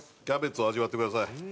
キャベツを味わってください。